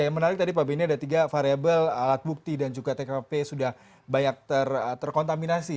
yang menarik tadi pak beni ada tiga variable alat bukti dan juga tkp sudah banyak terkontaminasi